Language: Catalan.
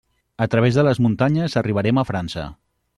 A través de les muntanyes arribarem a França.